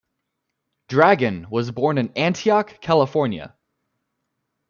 Dragon was born in Antioch, California.